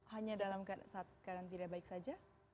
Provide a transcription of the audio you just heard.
hanya dalam keadaan tidak baik saja